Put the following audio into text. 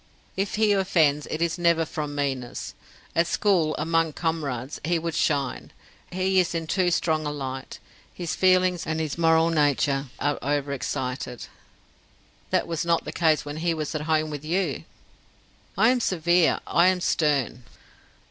"If he offends, it is never from meanness. At school, among comrades, he would shine. He is in too strong a light; his feelings and his moral nature are over excited." "That was not the case when he was at home with you." "I am severe; I am stern."